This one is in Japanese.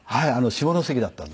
下関だったんです。